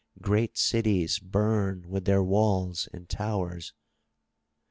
Great cities bum with their walls and towers.